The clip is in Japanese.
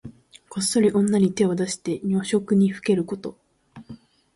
こっそり女に手を出して女色にふけること。